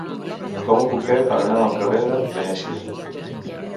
Com ho puc fer per anar al carrer de Venècia?